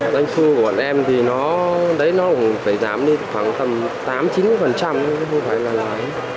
doanh thu của bọn em thì nó cũng phải giám đi khoảng tầm tám chín thôi không phải là lớn